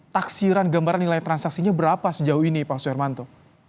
taksiran gambaran nilai transaksinya berapa sejauh ini pak suirmanto